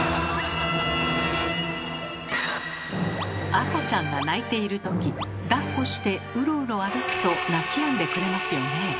赤ちゃんが泣いている時だっこしてうろうろ歩くと泣きやんでくれますよね。